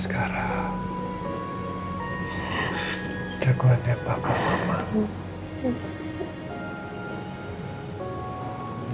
kamu juga kuat ya bapak mamamu